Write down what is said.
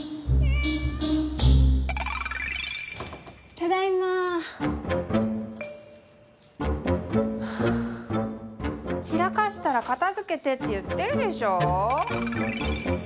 ただいま。は散らかしたら片づけてって言ってるでしょ！